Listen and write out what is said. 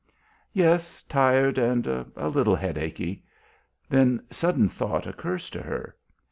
"Yes, tired and a little headachy." Then sudden thought occurs to her.